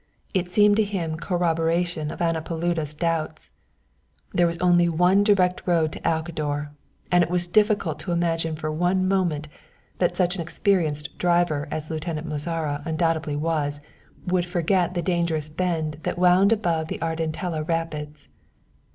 It seemed to him corroboration of Anna Paluda's doubts. There was only one direct road to Alcador, and it was difficult to imagine for one moment that such an experienced driver as Lieutenant Mozara undoubtedly was would forget the dangerous bend that wound above the Ardentella rapids.